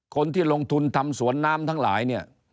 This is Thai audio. คนที่ลงทุนทำสวนน้ำทั้งหลายเนี่ย